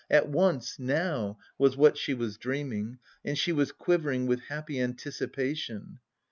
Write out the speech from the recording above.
At once, now," was what she was dreaming, and she was quivering with happy anticipation.